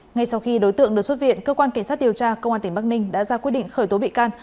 ngay sau khi đối tượng được xuất viện cơ quan cảnh sát điều tra công an tỉnh bắc ninh đã ra quyết định khởi tố bị can